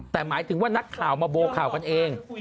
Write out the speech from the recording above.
แต่หมายถึงว่านักข่าวมาโบข่าวกันเอง